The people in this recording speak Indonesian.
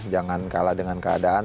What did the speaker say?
jangan kalah dengan keadaan